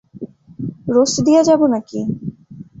Roast দিয়া যাবো নাকি?